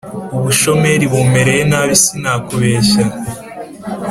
Ubushomeri bumereye nabi sinakubeshya